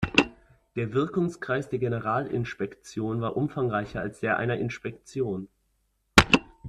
Der Wirkungskreis der Generalinspektion war umfangreicher als der einer Inspektion.